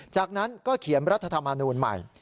จากนั้นก็เขียนรัฐธรรมนูลใหม่